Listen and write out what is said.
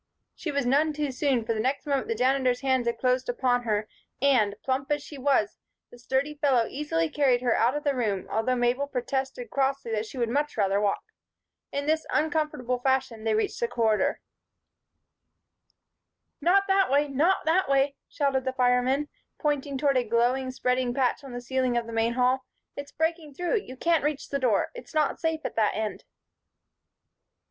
She was none too soon, for the next moment the Janitor's hands had closed upon her and, plump as she was, the sturdy fellow easily carried her out of the room, although Mabel protested crossly that she would much rather walk. In this uncomfortable fashion they reached the corridor. [Illustration: THE STURDY FELLOW CARRIED HER OUT OF THE ROOM.] "Not that way not that way!" shouted the firemen, pointing towards a glowing, spreading patch on the ceiling of the main hall. "It's breaking through you can't reach the door! It's not safe at that end."